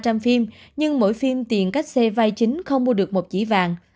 tôi đã có một số tiền để đóng trên ba trăm linh phim nhưng mỗi phim tiền cách xe vai chính không mua được một dĩ vàng